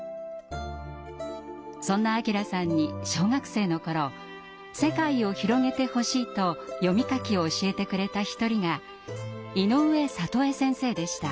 そんな晶さんに小学生の頃世界を広げてほしいと読み書きを教えてくれた一人が井上智恵先生でした。